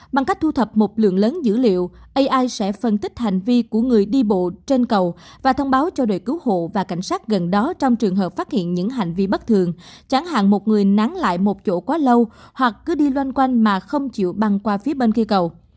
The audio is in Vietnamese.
bằng cách thu thập một lượng lớn dữ liệu ai sẽ phân tích hành vi của người đi bộ trên cầu và thông báo cho đội cứu hộ và cảnh sát gần đó trong trường hợp phát hiện những hành vi bất thường chẳng hạn một người nán lại một chỗ quá lâu hoặc cứ đi loanh quanh mà không chịu băng qua phía bên kia cầu